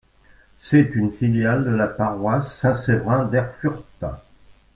C'est une filiale de la paroisse Saint-Séverin d'Erfurt.